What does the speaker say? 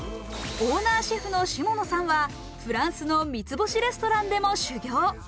オーナーシェフの下野さんはフランスの三ツ星レストランでも修業。